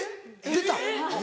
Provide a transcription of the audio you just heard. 出た！